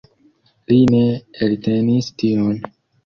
Li ne eltenis tion.